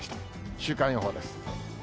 週間予報です。